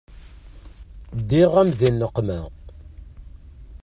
Ddiɣ-am di nneqma.